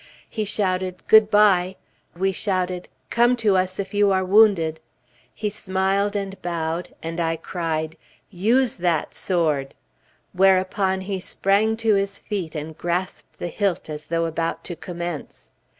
He shouted "Good bye," we shouted "Come to us, if you are wounded"; he smiled and bowed, and I cried, "Use that sword!" whereupon he sprang to his feet and grasped the hilt as though about to commence.